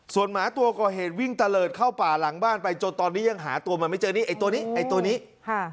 ส่วนหมาตัวก่อเหตุวิ่งตะเลิศเข้าป่าหลังบ้านไปจนตอนนี้ยังหาตัวมันไม่เจอนี่ไอ้ตัวนี้ไอ้ตัวนี้ค่ะ